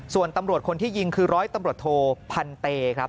ส่วนตำรวจคนที่ยิงคือร้อยตำรวจโทพันเตครับ